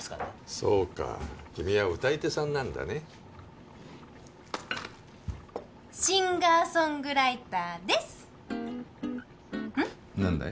そうか君は歌い手さんなんだねシンガーソングライターです何だい？